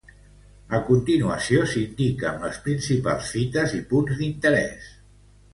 A continuació s'indiquen les principals fites i punts d'interès.